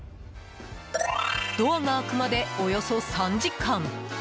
ドアが開くまで、およそ３時間。